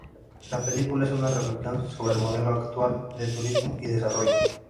La película es una reflexión sobre el modelo actual de turismo y desarrollo.